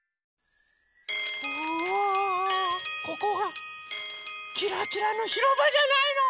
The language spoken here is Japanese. あここがキラキラのひろばじゃないの！